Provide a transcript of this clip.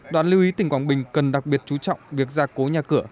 đoàn lưu ý tỉnh quảng bình cần đặc biệt chú trọng việc ra cố nhà cửa